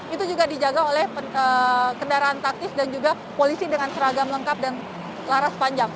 itu juga dijaga oleh kendaraan taktis dan juga polisi dengan seragam lengkap dan laras panjang